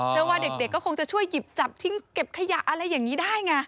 เชื่อว่าเด็กก็คงจะช่วยหยิบจับทิ้งเก็บขยะอะไรอย่างนี้ได้ไง